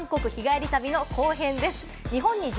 韓国日帰り旅の後編です。